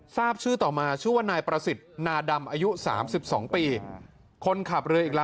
ทราบชื่อต่อมาชื่อว่านายประสิทธิ์นาดำอายุ๓๒ปีคนขับเรืออีกละ